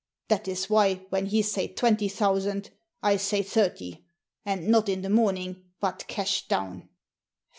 That is why, when he say twenty thousand, I say thirty; and not in the morning, but cash down."